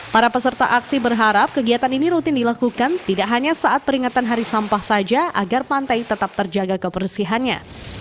para peserta aksi berharap kegiatan ini rutin dilakukan tidak hanya saat peringatan hari sampah saja agar pantai tetap terjaga kebersihannya